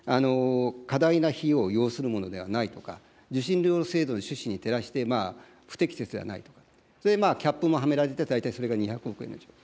過大な費用を要するものではないとか、受信料制度の趣旨に照らして不適切ではないとか、それでキャップもはめられて、大体それが２００億円と。